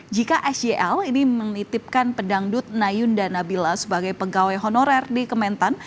jika sel ini menitipkan pedangdut nayunda nabila sebagai pegawai honorer di kementan